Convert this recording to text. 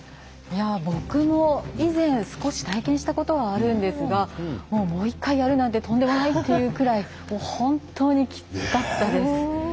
僕も以前、少し体験したことがあるんですがもう１回やるなんてとんでもない、というくらい本当にきつかったです。